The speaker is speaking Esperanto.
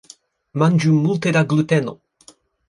Manĝu multe da gluteno.